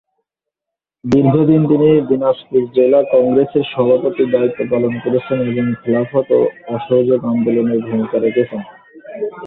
দীর্ঘদিন তিনি দিনাজপুর জেলা কংগ্রেসের সভাপতির দায়িত্ব পালন করেছেন এবং খিলাফত ও অসহযোগ আন্দোলনে ভূমিকা রেখেছেন।